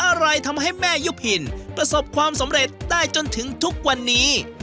อะไรทำให้แม่ยุพินประสบความสำเร็จได้จนถึงทุกวันนี้